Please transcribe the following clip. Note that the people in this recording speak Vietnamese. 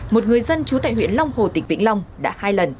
một người dân trú tại huyện long hồ tỉnh vĩnh long đã hai lần